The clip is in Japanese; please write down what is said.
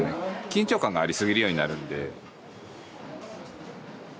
緊張感がありすぎるようになるんで。